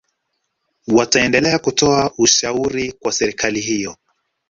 wataendelea kutoa ushauri kwa serikali hiyo